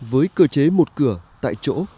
với cơ chế một cửa tại chỗ